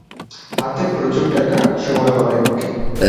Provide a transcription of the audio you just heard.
হাতে প্রচুর টাকা; সময়ও অনেক।